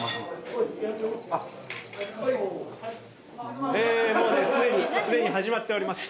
もうねすでにすでに始まっております。